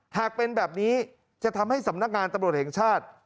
หากเป็นแบบนี้จะทำให้สำนักงานตำรวจแห่งชาติ